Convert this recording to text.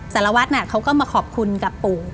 สารวัตรเขาก็มาขอบคุณกับปู่